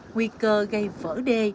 nguy cơ gây vỡ đê